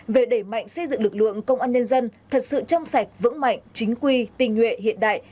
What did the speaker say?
về đẩy mạnh xây dựng lực lượng công an nhân dân thật sự trong sạch vững mạnh chính quy tình nguyện hiện đại